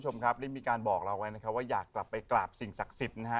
มีการบอกเราว่าอยากกลับไปกราบสิ่งศักดิ์สิทธิ์